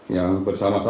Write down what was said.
yang bersama sama masuk